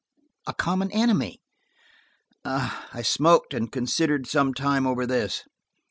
A common enemy? I smoked and considered some time over this.